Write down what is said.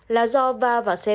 là do va vào xe bà